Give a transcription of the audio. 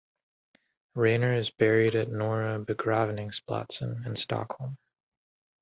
Rainer is buried at Norra begravningsplatsen in Stockholm.